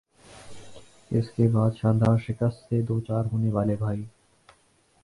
اس کے بعد "شاندار"شکست سے دوچار ہونے والے بھائی